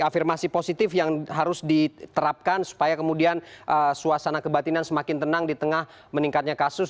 afirmasi positif yang harus diterapkan supaya kemudian suasana kebatinan semakin tenang di tengah meningkatnya kasus